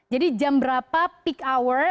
jadi jam berapa peak hour